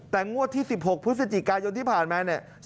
แต่งวดที่๑๖พฤศจิกายนที่ผ่านมาเนี่ย